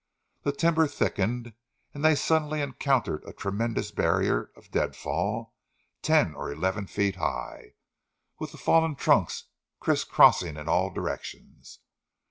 The timber thickened, and they suddenly encountered a tremendous barrier of deadfall ten or eleven feet high, with the fallen trunks criss crossing in all directions.